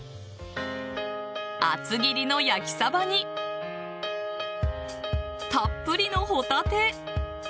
厚切りの焼きサバにたっぷりのホタテ。